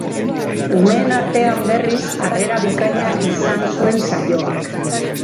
Umeen artean berriz, harrera bikaina izan zuen saioak.